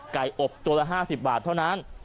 อบตัวละ๕๐บาทเท่านั้น